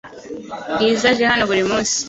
Bwiza aje hano buri munsi .